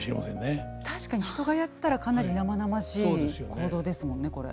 確かに人がやったらかなり生々しい行動ですもんねこれ。